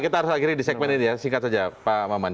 kita harus akhiri di segmen ini ya singkat saja pak maman